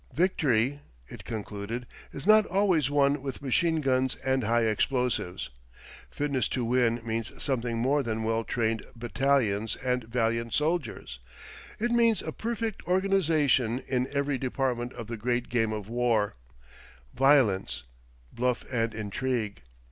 "Victory," it concluded, "is not always won with machine guns and high explosive. Fitness to win means something more than well trained battalions and valiant soldiers; it means a perfect organisation in every department of the great game of war; violence, bluff and intrigue.